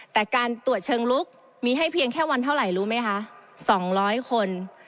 แต่การตรวจเชิงลุกมีให้เพียงแค่วันเท่าไหร่รู้ไหมคะ๒๐๐คน